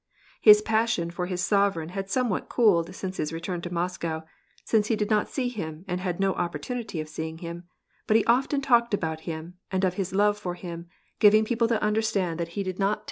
His passion for his sovereign had somewhat cooled since his return to Moscow, since he did not see him and had no oppor tanity of seeing him, but he often talked about him, and of his love for him, giving people to understand that he did not 10 WAR AND PEACE.